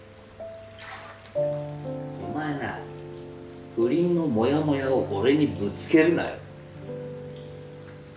お前な不倫のモヤモヤを俺にぶつけるなよ。